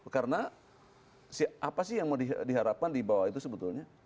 karena apa sih yang mau diharapkan di bawah itu sebetulnya